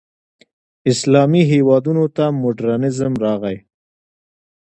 اسلامي هېوادونو ته مډرنیزم راغی.